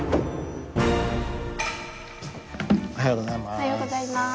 おはようございます。